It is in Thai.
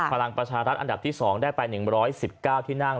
พลังประชารัฐอันดับที่๒ได้ไป๑๑๙ที่นั่ง